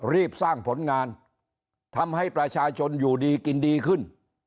รีบสร้างผลงานทำให้ประชาชนอยู่ดีกินดีขึ้น